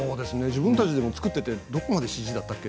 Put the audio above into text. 自分たちも作っていてどこまでＣＧだったっけ？